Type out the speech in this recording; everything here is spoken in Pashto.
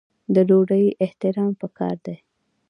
د ډوډۍ احترام پکار دی.